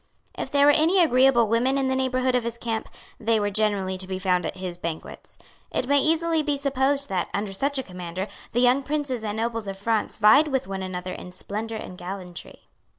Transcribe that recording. If there were any agreeable women in the neighbourhood of his camp, they were generally to be found at his banquets. It may easily be supposed that, under such a commander, the young princes and nobles of France vied with one another in splendour and gallantry.